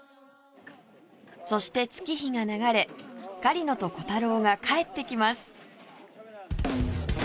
そして月日が流れ狩野とコタローが帰ってきます